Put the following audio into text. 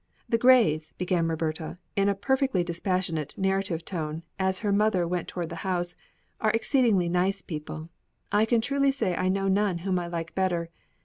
"The Greys," began Roberta, in a perfectly dispassionate, narrative tone, as her mother went toward the house, "are exceedingly nice people I can truly say I know none whom I like better.